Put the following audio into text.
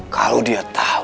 kalau dia tahu